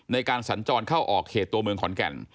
ในการสัญจรเข้าออกเขตตัวเมืองขอนแก่น